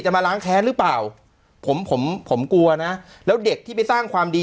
มาล้างแค้นหรือเปล่าผมผมกลัวนะแล้วเด็กที่ไปสร้างความดี